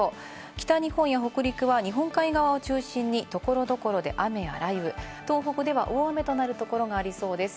北日本や北陸は日本海側を中心に所々で雨や雷雨、東北では大雨となるところがありそうです。